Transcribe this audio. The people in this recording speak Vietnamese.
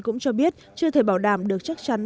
cũng cho biết chưa thể bảo đảm được chắc chắn